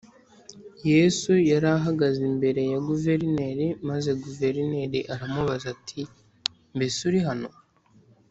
Yesu yari ahagaze imbere ya guverineri maze guverineri aramubaza ati mbese uri hano